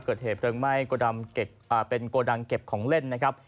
เกิดเหตุเพลิงไหม้เป็นโกดังเก็บของเล่นนะครับ